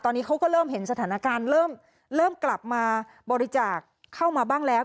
ตอนนี้เขาก็เริ่มเห็นสถานการณ์เริ่มกลับมาบริจาคเข้ามาบ้างแล้ว